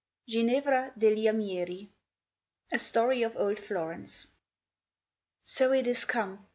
GINEVRA DEGLI AMIERI. A STORY OF OLD FLORENCE. So it is come!